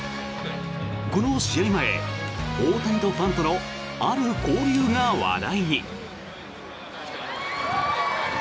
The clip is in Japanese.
この試合前、大谷とファンとのある交流が話題に。